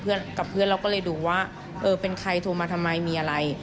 กับเพื่อนเราก็เลยดูว่าเออเป็นใครโทรมาทำไมมีอะไร